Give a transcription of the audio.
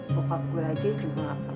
pokok gue ajaag taking care of her ya pak